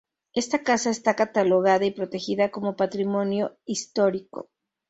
Esta casa está catalogada y protegida como patrimonio histórico.